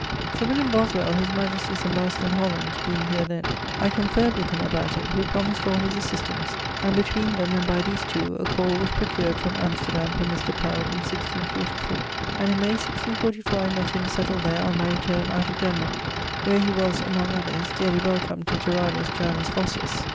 Sir William Boswell, his majestie's ambassador in Holland, being here then, I conferred with him about it, who promised all his assistance; and between them, and by these two, a call was procured from Amsterdam for Mr. Pell, in 1643: and in May 1644 I met him settled there on my return out of Denmarke. Where he was, among others, dearly welcome to Gerardus Joannes Vossius.